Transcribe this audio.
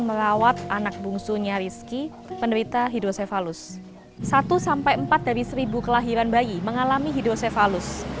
merawat anak bungsu nyariski penderita hidrosefalus satu empat dari seribu kelahiran bayi mengalami hidrosefalus